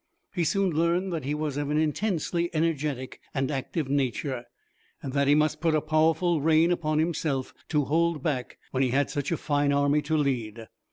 He soon learned that he was of an intensely energetic and active nature, and that he must put a powerful rein upon himself to hold back, when he had such a fine army to lead.